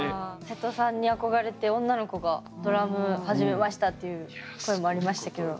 せとさんに憧れて女の子がドラム始めましたっていう声もありましたけど。